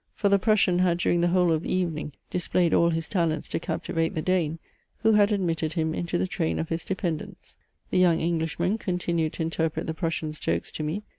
For the Prussian had during the whole of the evening displayed all his talents to captivate the Dane, who had admitted him into the train of his dependents. The young Englishman continued to interpret the Prussian's jokes to me.